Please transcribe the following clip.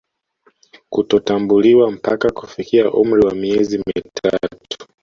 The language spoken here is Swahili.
Kutotambuliwa mpaka kufikia umri wa miezi mitatu